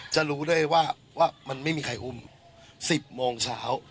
จะรู้ด้วยว่ามันไม่มีใครอุ้ม๑๐โมงเช้า